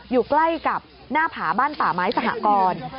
อยู่ใกล้กับหน้าผาบ้านป่าไม้สหกร